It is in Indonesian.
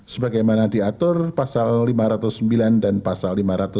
sebagaimana diatur pasal lima ratus sembilan dan pasal lima ratus enam puluh